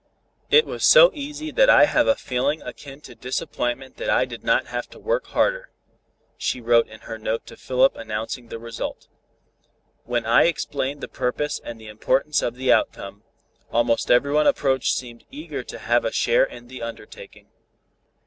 "It was so easy that I have a feeling akin to disappointment that I did not have to work harder," she wrote in her note to Philip announcing the result. "When I explained the purpose and the importance of the outcome, almost everyone approached seemed eager to have a share in the undertaking."